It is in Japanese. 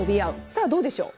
さあどうでしょう。